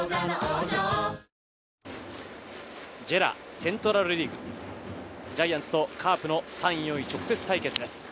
セントラルリーグ、ジャイアンツとカープの３位・４位直接対決です。